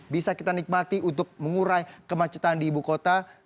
bisa kita nikmati untuk mengurai kemacetan di ibu kota